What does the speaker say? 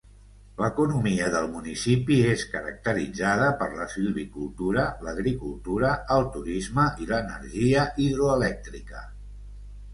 L'economia del municipi és caracteritzada per la silvicultura, l'agricultura, el turisme i l'energia hidroelèctrica.